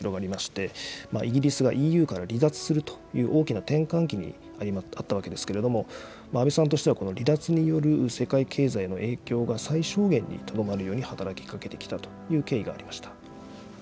当時は、世界的に保護主義的な動きが広がりまして、イギリスがＥＵから離脱するという大きな転換期にあったわけですけれども、安倍さんとしてはこの離脱による世界経済への影響が最小限にとどまるように働きかけてきたという経